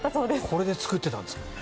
これで作ってたんですね。